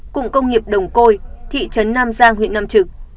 cụng công nghiệp đồng côi thị trấn nam giang huyện nam trực